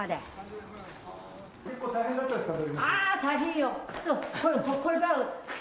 結構大変だったんですか？